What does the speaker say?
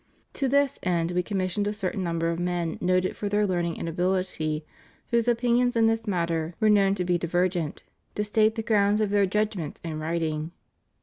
To this end We commissioned a certain number of men noted for their learning and ability, whose opinions in this matter were known to be divergent, to state the grounds of their judg ments in writing.